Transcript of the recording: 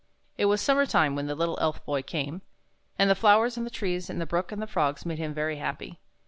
It was summer time when the little Elf Boy came, and the flowers and the trees and the brook and the frogs made him very happy.